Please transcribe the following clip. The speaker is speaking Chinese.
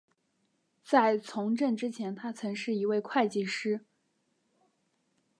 在从政之前他曾是一位会计师。